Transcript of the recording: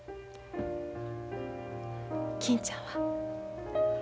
金ちゃんは？